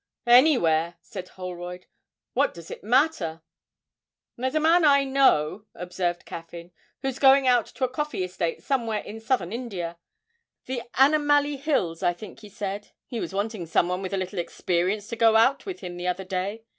'Anywhere,' said Holroyd! 'what does it matter?' 'There's a man I know,' observed Caffyn, 'who's going out to a coffee estate somewhere in Southern India, the Annamalli Hills, I think he said; he was wanting some one with a little experience to go out with him the other day.